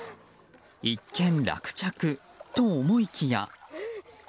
一件落着と思いきや。